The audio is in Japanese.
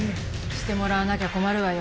してもらわなきゃ困るわよ